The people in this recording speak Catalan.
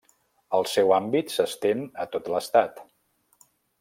El seu àmbit s'estén a tot l'Estat.